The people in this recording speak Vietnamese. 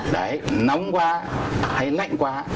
đấy nóng quá hay lạnh quá